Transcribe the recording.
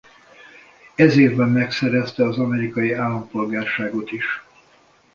Ez évben megszerezte az amerikai állampolgárságot is.